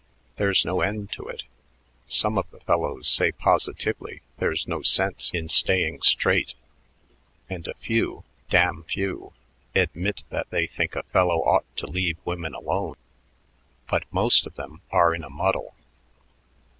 There's no end to it. Some of the fellows say positively there's no sense in staying straight; and a few, damn few, admit that they think a fellow ought to leave women alone, but most of them are in a muddle."